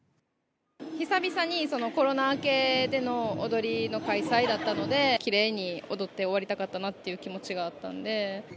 久々にコロナ明けでの踊りの開催だったので、きれいに踊って終わりたかったなっていう気持ちがあったんで。